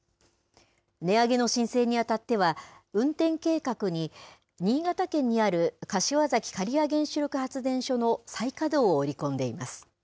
値上げの申請にあたっては、運転計画に新潟県にある柏崎刈羽原子力発電所の再稼働を織り込んでいます。